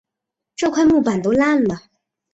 这块木板都烂了